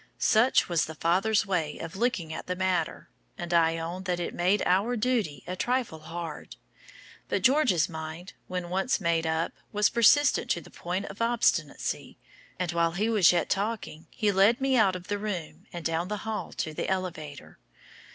Such was the father's way of looking at the matter, and I own that it made our duty a trifle hard. But George's mind, when once made up, was persistent to the point of obstinacy, and while he was yet talking he led me out of the room and down the hall to the elevator.